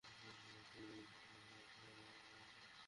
এই অবস্থায়, স্ত্রীর সাথে থাকা খুব জরুরী।